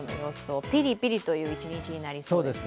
ピリピリという一日になりそうです。